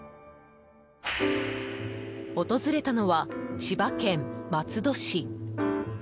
訪れたのは千葉県松戸市。